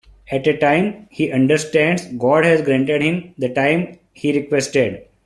After a time, he understands: God has granted him the time he requested.